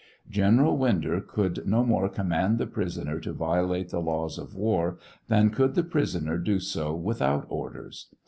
General Winder could no more com mand the prisoner to violate the laws of war than could the prisoner do so without orders.